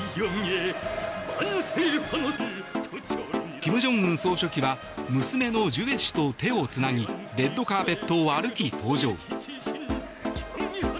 金正恩総書記は娘のジュエ氏と手をつなぎレッドカーペットを歩き登場。